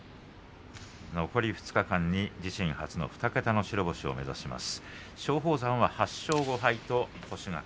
残り２日間で自身初の２桁の勝利を目指します。